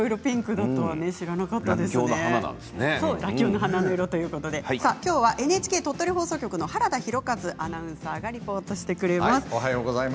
らっきょうの花の色ということできょうはＮＨＫ鳥取放送局の原田裕和アナウンサーがリポートしてくれます。